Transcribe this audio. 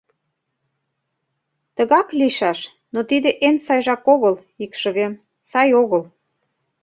Тыгак лийшаш... но тиде эн сайжак огыл, икшывем, сай огыл.